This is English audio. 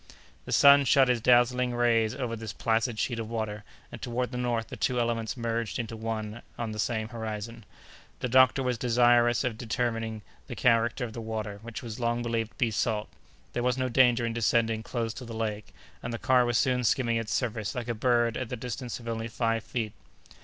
The sun shot his dazzling rays over this placid sheet of water, and toward the north the two elements merged into one and the same horizon. The doctor was desirous of determining the character of the water, which was long believed to be salt. There was no danger in descending close to the lake, and the car was soon skimming its surface like a bird at the distance of only five feet.